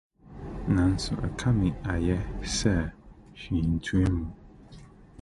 Nanso, ɛkame ayɛ sɛ hwee ntua mu.